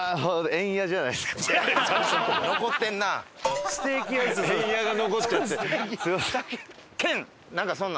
えんやが残っちゃって。